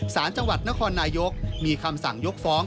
สารจังหวัดนครนายกมีคำสั่งยกฟ้อง